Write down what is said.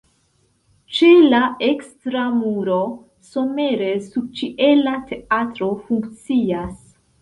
Ĉe la ekstera muro somere subĉiela teatro funkcias.